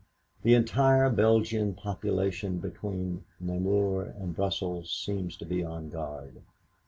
The entire Belgian population between Namur and Brussels seems to be on guard.